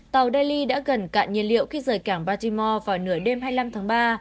haley đã gần cạn nhân liệu khi rời cảng baltimore vào nửa đêm hai mươi năm tháng ba